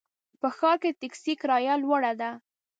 په ښار کې د ټکسي کرایه لوړه ده.